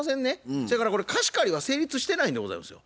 そやからこれ貸し借りは成立してないんでございますよ。